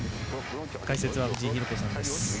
解説は藤井寛子さんです。